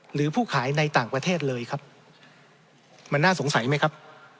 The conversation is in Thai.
หรือผู้ขายในต่างประเทศเลยครับมันน่าสงสัยไหมครับ